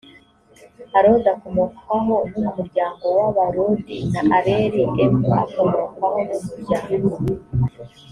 arodi akomokwaho n umuryango w abarodi na areli m akomokwaho n umuryango